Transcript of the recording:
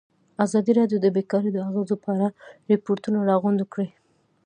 ازادي راډیو د بیکاري د اغېزو په اړه ریپوټونه راغونډ کړي.